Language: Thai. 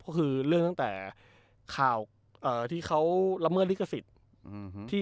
ก็คือเรื่องตั้งแต่ข่าวที่เขาละเมิดลิขสิทธิ์